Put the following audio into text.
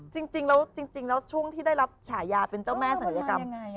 จริงแล้วช่วงที่ได้รับฉายาเป็นเจ้าแม่ศัลยกรรม